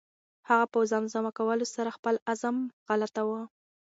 هغه په زمزمه کولو سره خپل غم غلطاوه.